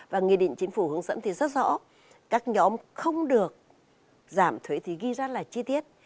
và nghị định chính phủ hướng dẫn thì rất rõ các nhóm không được giảm thuế thì ghi ra là chi tiết